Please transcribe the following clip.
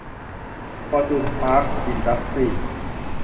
ฟอร์จูน พาร์ท อินดัสตรี้